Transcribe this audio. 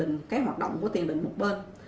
hoạt động của tiền đình một bên